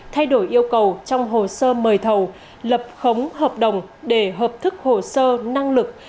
thay đổi yêu cầu trong hồ sơ mời thầu lập khống hợp đồng để hợp thức hồ sơ năng lực